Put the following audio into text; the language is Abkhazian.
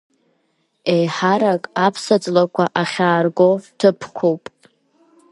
Еиҳарак аԥсаҵлақәа ахьаарго ҭыԥқәоуп…